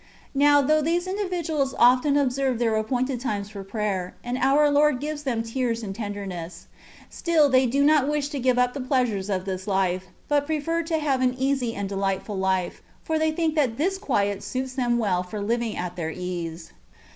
Now, though these individuals often observe their appointed times for prayer, and our CONCEPTIONS OF DIVINE LOVE. 241 Lord gives them tears and tenderness ; still they do not wish to give up the pleasures of this life, but prefer to have an easy and delightful life, for they think that this quiet suits them well for living at their ease.